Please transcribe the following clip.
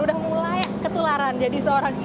udah mulai ketularan jadi seorang